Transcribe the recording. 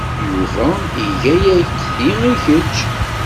Yuba iga-ak-d ti i kečč.